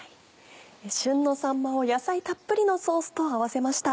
旬のさんまを野菜たっぷりのソースと合わせました。